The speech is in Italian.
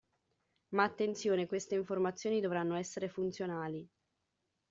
Ma attenzione, queste informazioni dovranno essere funzionali.